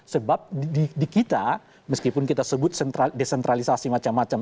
sebab di kita meskipun kita sebut desentralisasi macam macam